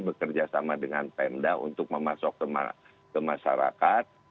bekerja sama dengan pemda untuk memasuk ke masyarakat